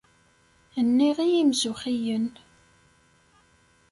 Nniɣ i yimzuxxiyen.